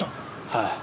はい。